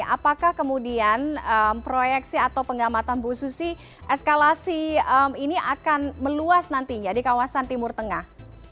apakah kemudian proyeksi atau pengamatan bu susi eskalasi ini akan meluas nantinya di kawasan timur tengah